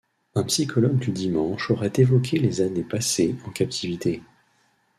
Un psychologue du dimanche aurait évoqué les années passées en captivité.